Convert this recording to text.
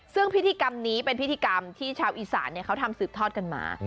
ซึ่งพิธีกรรมนี้เป็นพิธีกรรมที่ชาวอีสานเขาทำสืบทอดกันมา